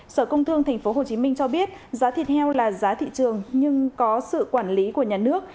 sở công thương tp hcm cho biết giá thịt heo là giá thị trường nhưng có sự quản lý của nhà nước